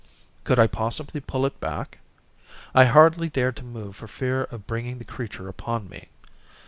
Could I possibly pull it back? I hardly dared to move for fear of bringing the creature upon me.